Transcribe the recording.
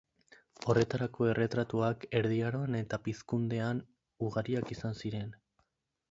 Horrelako erretratuak Erdi Aroan eta Pizkundean ugariak izan ziren.